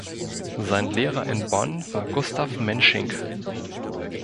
Sein Lehrer in Bonn war Gustav Mensching.